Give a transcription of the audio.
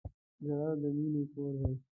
زړه د مینې کور دی.